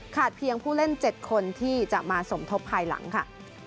เพียงผู้เล่น๗คนที่จะมาสมทบภายหลังค่ะ